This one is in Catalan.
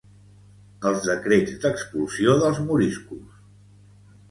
Els decrets d'expulsió dels moriscos